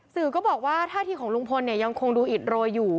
สื่อก็บอกว่าท่าทีของลุงพลเนี่ยยังคงดูอิดโรยอยู่